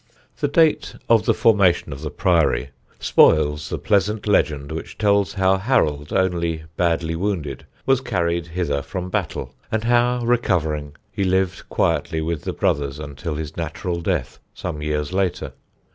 The date of the formation of the priory spoils the pleasant legend which tells how Harold, only badly wounded, was carried hither from Battle, and how, recovering, he lived quietly with the brothers until his natural death some years later.